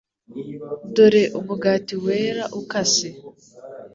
dore Umugati wera ukase